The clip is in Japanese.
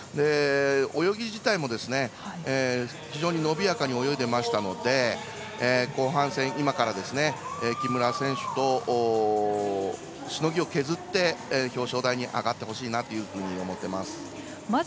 泳ぎ自体も非常に伸びやかに泳いでましたので今からの後半戦、木村選手としのぎを削って表彰台に上がってほしいなと思っています。